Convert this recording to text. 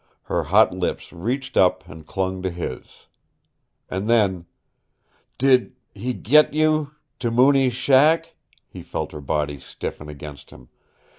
Her hot lips reached up and clung to his. And then, "Did he get you to Mooney's shack " He felt her body stiffen against him.